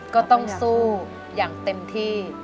ก็ต้องสู้อย่างเต็มที่